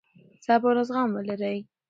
صبر او زغم ولرئ.